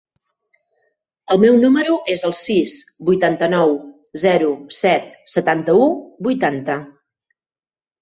El meu número es el sis, vuitanta-nou, zero, set, setanta-u, vuitanta.